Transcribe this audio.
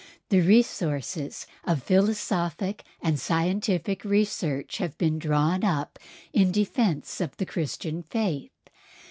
The resources of philosophic and scientific research have been drawn up in defence of the Christian faith.